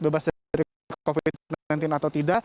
bebas dari covid sembilan belas atau tidak